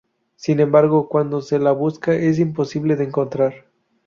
Sin embargo, cuando se la busca es imposible de encontrar.